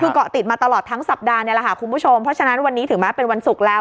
คือเกาะติดมาตลอดทั้งสัปดาห์นี่แหละค่ะคุณผู้ชมเพราะฉะนั้นวันนี้ถึงแม้เป็นวันศุกร์แล้ว